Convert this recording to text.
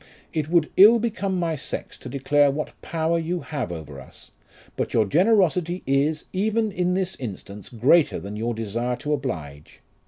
It would ill become my sex to declare what power you have over us ; but your generosity is, even in this instance, greater than your desire to oblige.